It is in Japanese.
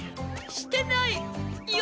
してないよ。